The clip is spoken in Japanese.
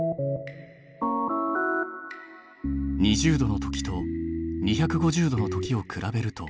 ２０℃のときと２５０℃のときを比べると。